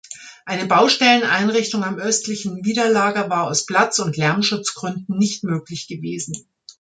Eine Baustelleneinrichtung am östlichen Widerlager war aus Platz- und Lärmschutzgründen nicht möglich gewesen.